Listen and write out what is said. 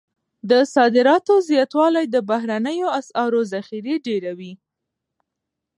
د صادراتو زیاتوالی د بهرنیو اسعارو ذخیرې ډیروي.